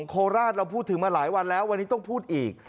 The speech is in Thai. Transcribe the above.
โคราชเราพูดถึงมาหลายวันแล้ววันนี้ต้องพูดอีก